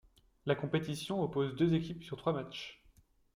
La compétition oppose deux équipes sur trois matchs.